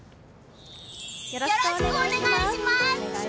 よろしくお願いします！